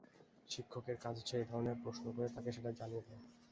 শিক্ষকের কাজ হচ্ছে, এই ধরনের প্রশ্ন করে তাকে সেটা জানিয়ে দেওয়া।